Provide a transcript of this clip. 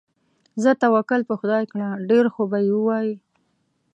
ځه توکل په خدای کړه، ډېر خوبه یې ووایې.